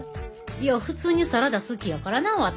いや普通にサラダ好きやからな私。